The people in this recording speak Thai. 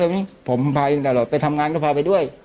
ผมจะไปถึงได้ไปทำงานก็พาไปด้วย